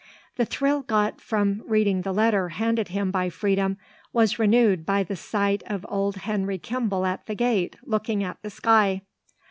The thrill got from reading the letter handed him by Freedom was renewed by the sight of old Henry Kimball at the gate, looking at the sky.